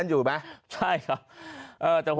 อยู่ไหมใช่ครับเออผม